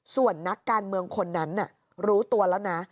ส่วนนักการเมืองคนนั้นรู้ตัวแล้วนะ